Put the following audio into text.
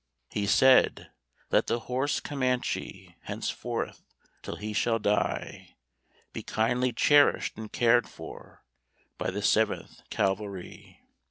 He said _Let the horse Comanche Henceforth till he shall die, Be kindly cherished and cared for By the Seventh Cavalry.